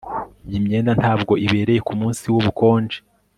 Iyi myenda ntabwo ibereye kumunsi wubukonje